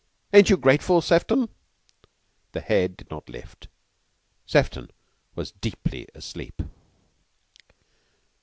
Ain't you grateful, Sefton?" The head did not lift. Sefton was deeply asleep.